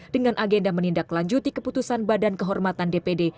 dengan agenda menindaklanjuti keputusan badan kehormatan dpd